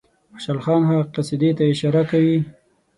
خوشحال خان هغه قصیدې ته اشاره کوي.